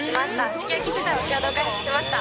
すき焼きピザを共同開発しました。